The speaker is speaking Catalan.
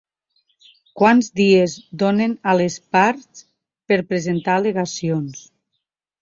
Quants dies donen a les parts per presentar al·legacions